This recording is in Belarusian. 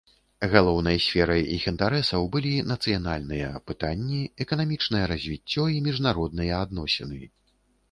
Галоўнай сферай іх інтарэсаў былі нацыянальныя пытанні, эканамічнае развіццё і міжнародныя адносіны.